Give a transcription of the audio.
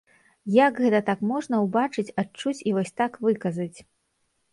Як гэта так можна ўбачыць, адчуць і вось так выказаць?